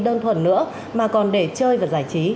đơn thuần nữa mà còn để chơi và giải trí